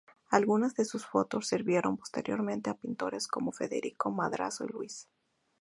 Algunas de sus fotos sirvieron posteriormente a pintores como Federico Madrazo y Luis.